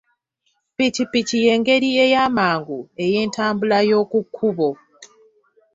Ppikipiki y'engeri eyamangu ey'entambula y'oku kkubo.